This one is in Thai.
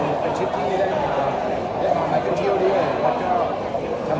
ตอนที่ขี่ก็ไม่มีทางคิดอะนะ